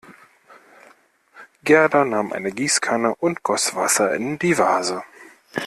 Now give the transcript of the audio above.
Gerda nahm eine Gießkanne und goss Wasser in die Vase.